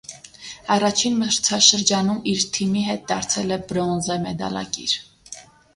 Առաջին մրցաշրջանում իր թիմի հետ դարձել է բրոնզե մեդալակիր։